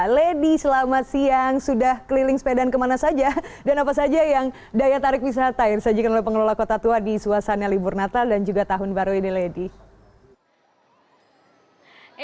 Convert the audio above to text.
lady selamat siang sudah keliling sepedaan kemana saja dan apa saja yang daya tarik wisata yang disajikan oleh pengelola kota tua di suasana libur natal dan juga tahun baru ini lady